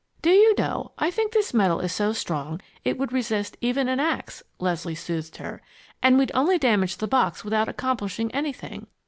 "Do you know, I think this metal is so strong it would resist even an ax," Leslie soothed her, "and we'd only damage the box without accomplishing anything.